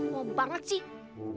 mau banget sih